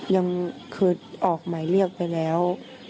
ยังเคยออกหมายเรียกไปแล้ว